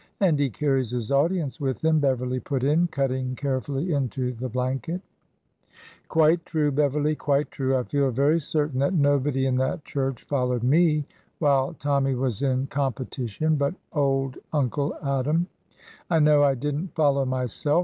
" And he carries his audience with him," Beverly put in, cutting carefully into the " blanket." 47 48 ORDER NO. 11 '' Quite true, Beverly ; quite true. I feel very certain that nobody in that church followed me, while Tommy was in competition, but old Uncle Adam. I know I did n't follow myself.